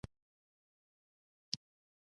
هغه په نوم یې خطبه وویل.